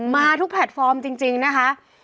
มาทุกแพลตฟอร์มจริงนะคะ